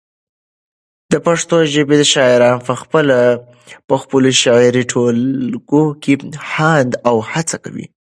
د پښتو ژبی شاعران پخپلو شعري ټولګو کي هاند او هڅه کوي